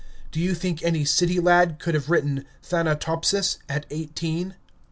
Do you think any city lad could have written "Thanatopsis" at eighteen?